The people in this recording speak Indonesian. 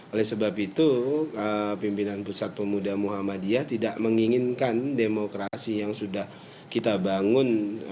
oleh sebab itu pimpinan pusat pemuda muhammadiyah tidak menginginkan demokrasi yang sudah kita bangun